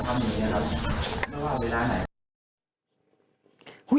ลองไว้ฝึก